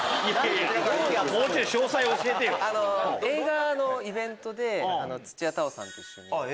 映画のイベントで土屋太鳳さんと一緒に。